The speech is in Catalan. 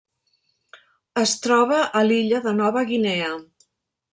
Es troba a l'illa de Nova Guinea.